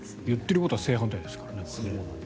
言っていることは正反対ですからね。